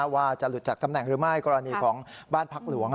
ว่าจะหลุดจากตำแหน่งหรือไม่กรณีของบ้านพักหลวง